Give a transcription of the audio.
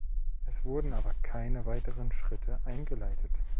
Es wurden aber keine weiteren Schritte eingeleitet.